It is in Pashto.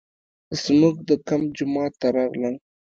زموږ د کمپ جومات ته راغلل.